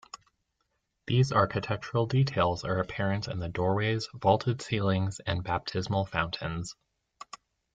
These architectural details are apparent in the doorways, vaulted ceilings and baptismal fountains.